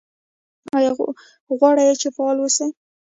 ایا غواړئ چې فعال اوسئ؟